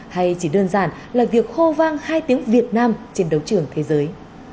hay chỉ đơn giản là việc hô vang hai tiếng việt nam trên đấu trường thế giới